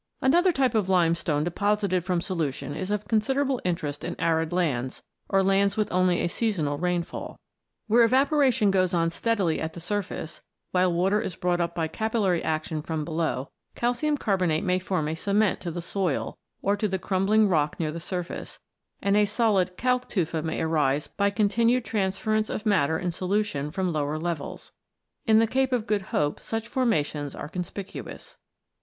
Another type of limestone deposited from solution is of considerable interest in arid lands, or lands with only a seasonal rainfall. Where evaporation goes on steadily at the surface, while water is brought up by capillary action from below, calcium carbonate may form a cement to the soil, or to the crumbling rock near the surface, and a solid calc tufa may arise by continued transference of matter in solution from lower levels. In the Cape of Good Hope such formations are conspicuous (s).